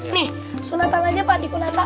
nih sunatan aja pak dikunanta